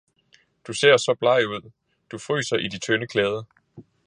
Du ser så bleg ud, du fryser i de tynde klæder!